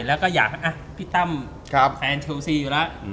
แล้วก็อยากให้พี่ตั้มแฟนเชลซีอยู่แล้ว